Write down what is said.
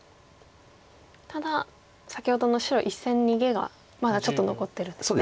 ただ先ほどの白１線逃げがまだちょっと残ってるんですね。